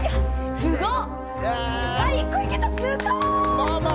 すごっ！